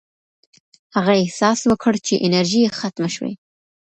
هغې احساس وکړ چې انرژي یې ختمه شوې.